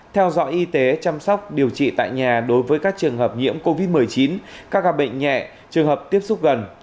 theo dõi y tế chăm sóc điều trị tại nhà đối với các trường hợp nhiễm covid một mươi chín các ca bệnh nhẹ trường hợp tiếp xúc gần